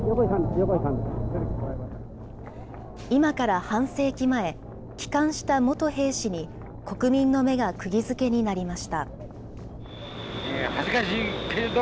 今から半世紀前、帰還した元兵士に、国民の目がくぎづけになりました。